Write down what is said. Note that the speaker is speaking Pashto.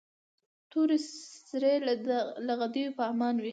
تور سرې دې له غدیو په امان وي.